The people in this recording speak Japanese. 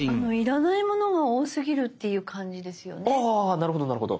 なるほどなるほど。